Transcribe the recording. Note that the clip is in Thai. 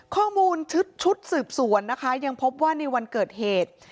ข้อมูลชุดสืบสวนนะคะยังพบว่าในวันเกิดเหตุ